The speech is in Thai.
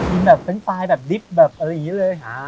มันแบบเป็นไฟล์แบบดิบแบบอะไรอย่างนี้เลย